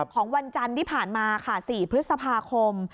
ของวันจันทร์ที่ผ่านมา๔พฤษภาคม